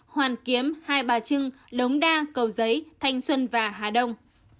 hoàn kiếm hai bà trưng đống đa cầu giấy thanh xuân và hà đông